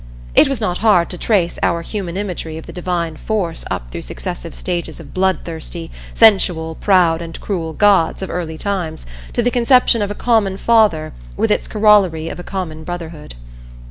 It was not hard to trace our human imagery of the Divine Force up through successive stages of bloodthirsty, sensual, proud, and cruel gods of early times to the conception of a Common Father with its corollary of a Common Brotherhood.